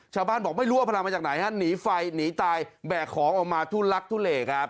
ชาวบ้านบอกไม่รู้เอาพลังมาจากไหนฮะหนีไฟหนีตายแบกของออกมาทุลักทุเลครับ